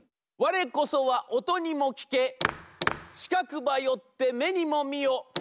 「われこそはおとにもきけちかくばよってめにもみよ。